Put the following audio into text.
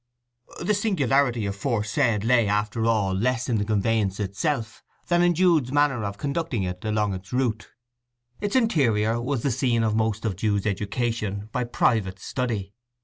The singularity aforesaid lay, after all, less in the conveyance itself than in Jude's manner of conducting it along its route. Its interior was the scene of most of Jude's education by "private study."